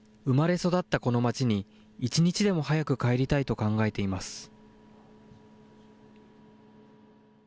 生まれ育ったこの町に、１日でも早く帰りたいと考えています。